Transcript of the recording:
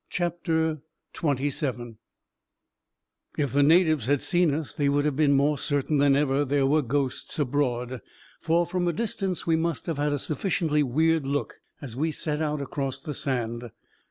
< CHAPTER XXVII If the natives had seen us, they would have been more certain than ever that there were ghosts abroad, for, from a distance, we must have had a sufficiently weird look as we set out across the sand.